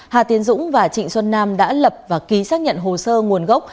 hà tiến dũng và trịnh xuân nam đã lập và ký xác nhận hồ sơ nguồn gốc